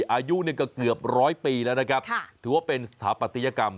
อายุก็เกือบร้อยปีแล้วนะครับถือว่าเป็นสถาปัตยกรรม